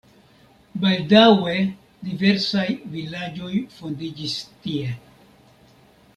Baldaŭe diversaj vilaĝoj fondiĝis tie.